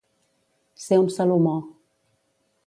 Ser un Salomó.